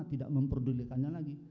tidak memperdulikannya lagi